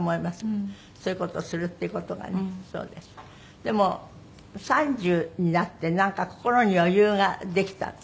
でも３０になってなんか心に余裕ができた？